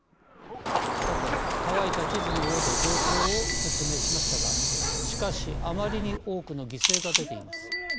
さて、乾いた地図の上で状況を説明しましたがしかし、あまりに多くの犠牲が出ています。